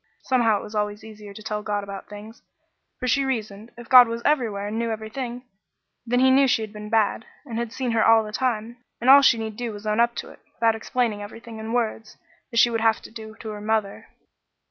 Somehow it was always easier to tell God about things; for she reasoned, if God was everywhere and knew everything, then he knew she had been bad, and had seen her all the time, and all she need do was to own up to it, without explaining everything in words, as she would have to do to her mother.